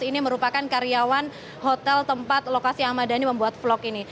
ini merupakan karyawan hotel tempat lokasi ahmad dhani membuat vlog ini